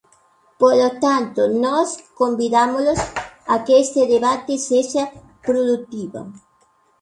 Polo tanto, nós convidámolos a que este debate sexa produtivo.